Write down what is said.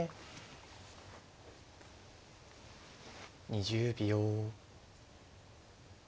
２０秒。